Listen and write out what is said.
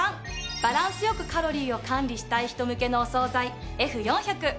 バランス良くカロリーを管理したい人向けのお総菜Ｆ４００。